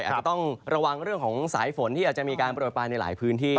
อาจจะต้องระวังเรื่องของสายฝนที่อาจจะมีการโปรยปลายในหลายพื้นที่